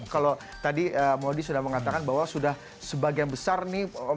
kalau tadi modi sudah mengatakan bahwa sudah sebagian besar nih